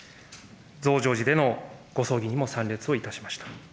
増上寺でのご葬儀にも参列をいたしました。